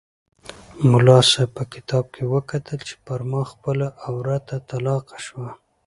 ملا صاحب په کتاب کې وکتل چې پر ما خپله عورته طلاقه شوه.